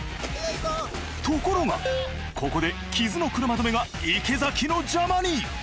ところがここで木津の車止めが池崎の邪魔に！